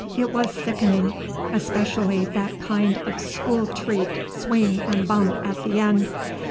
it was sickening, especially that kind of school treat swing and bump at the end.